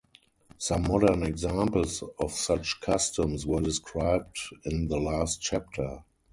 Some modern examples of such customs were described in the last chapter.